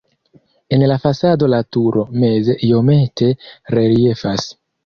En la fasado la turo meze iomete reliefas.